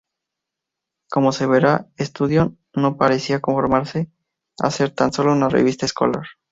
Como se verá, Studium no parecía conformarse a ser tan sólo una revista escolar.